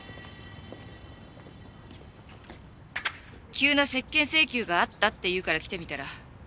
急な接見請求があったっていうから来てみたら